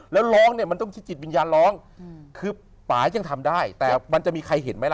แล้วร้องเนี่ยมันต้องใช้จิตวิญญาณร้องคือป่ายังทำได้แต่มันจะมีใครเห็นไหมล่ะ